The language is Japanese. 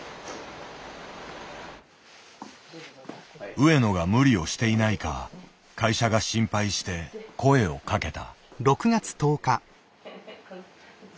上野が無理をしていないか会社が心配して声を掛けた。